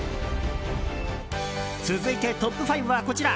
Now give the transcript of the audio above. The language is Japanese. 続いて、トップ５はこちら。